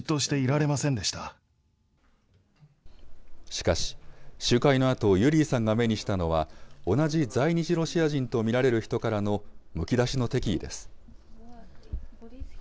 しかし、集会のあとユリーさんが目にしたのは、同じ在日ロシア人と見られる人からの、むき出しの敵意です。